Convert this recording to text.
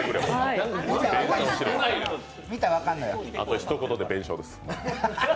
あと一言で弁償です。